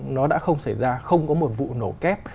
nó đã không xảy ra không có một vụ nổ kép